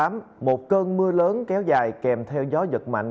một cơn mưa lớn kéo dài kèm theo gió giật mạnh